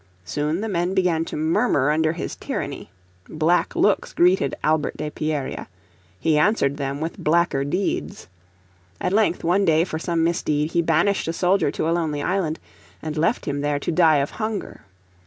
Soon the men began to murmur under his tyranny. Black looks greeted Albert de Pierria: he answered them with blacker deeds. At length one day for some misdeed he banished a soldier to a lonely island, and left him there to die of hunger.